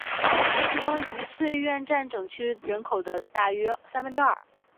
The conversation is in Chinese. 其中愉翠苑占整区人口的大约三分之二。